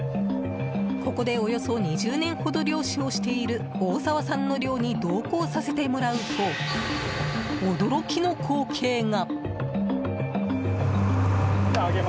ここで、およそ２０年ほど漁師をしている大澤さんの漁に同行させてもらうと驚きの光景が。